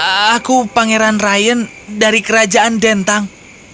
aku pangeran ryan dari kerajaan dentang